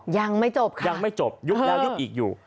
ยังไม่จบยุบแล้วยุบอีกอยู่